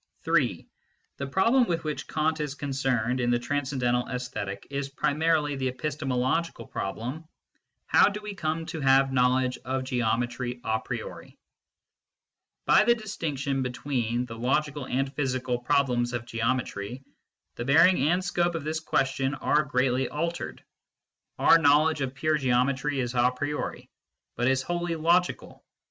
(3) The problem with which Kant is concerned in the Transcendental ^Esthetic is primarily the epistemological SCIENTIFIC METHOD IN PHILOSOPHY 119 problem :" How do we come to have knowledge of geometry a priori ?" By the distinction between the logical and physical problems of geometry, the bearing and scope of this question are greatly altered. Our knowledge of pure geometry is a priori but is wholly logical.